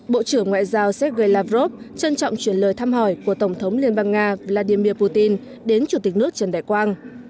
bộ trưởng ngoại giao sergei lavrov trân trọng chuyển lời thăm hỏi của tổng thống liên bang nga vladimir putin đến chủ tịch nước trần đại quang